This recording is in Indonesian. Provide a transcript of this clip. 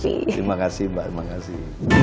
terima kasih mbak terima kasih